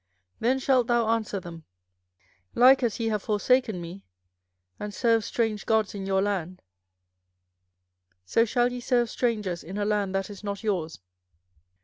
then shalt thou answer them, Like as ye have forsaken me, and served strange gods in your land, so shall ye serve strangers in a land that is not your's.